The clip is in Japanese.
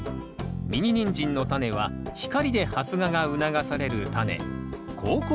ミニニンジンのタネは光で発芽が促されるタネ好光性種子。